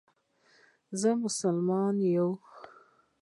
مونږ مسلمانان یو.